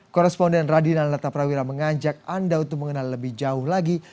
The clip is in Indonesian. korresponden radina lata prawira mengajak anda untuk mengenal lebih jauh lagi